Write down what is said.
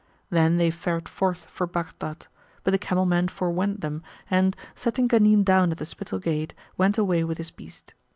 Then they fared forth for Baghdad, but the camel man forewent them; and, setting Ghanim down at the Spital gate, went away with his beast.